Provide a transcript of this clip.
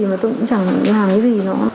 tôi cũng chẳng làm gì gì nữa